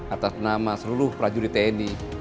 atas nama seluruh prajurit tni